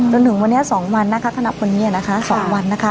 จนถึงวันเนี้ยสองวันนะคะคณะพนเมียนะคะสองวันนะคะ